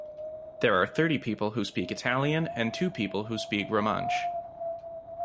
There are thirty people who speak Italian and two people who speak Romansh.